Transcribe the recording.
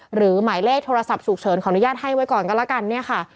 หมายเลขโทรศัพท์ฉุกเฉินขออนุญาตให้ไว้ก่อนก็แล้วกันเนี่ยค่ะ